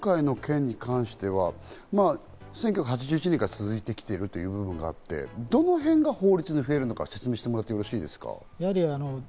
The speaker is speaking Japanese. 今回の件に関しては、１９８１年から続いてきてるという部分があって、どの辺が法律で増えるのか説明してもらっていいですか？